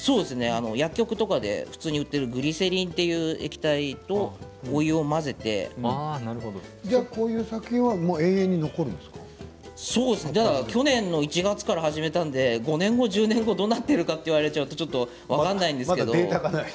薬局とかで売っているグリセリンという液体とじゃあ、この作品は永遠に去年の１月から始めたので５年後、１０年後どうなっているかと言われちゃうとまだデータがないんですね。